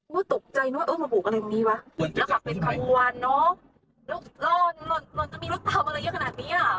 ก็ตกใจนึกว่าเออมาบุกอะไรอย่างนี้วะ